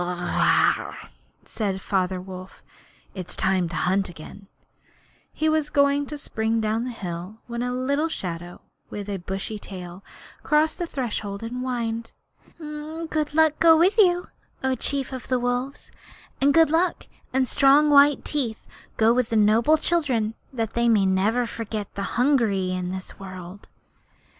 'Augrh!' said Father Wolf, 'it is time to hunt again'; and he was going to spring down hill when a little shadow with a bushy tail crossed the threshold and whined: 'Good luck go with you, O Chief of the Wolves; and good luck and strong white teeth go with the noble children, that they may never forget the hungry in this world.'